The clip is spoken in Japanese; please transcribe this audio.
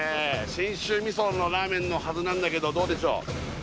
信州味噌のラーメンのはずなんだけどどうでしょう？